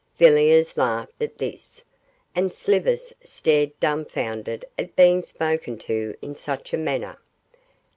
Villiers laughed at this, and Slivers stared dumbfounded at being spoken to in such a manner.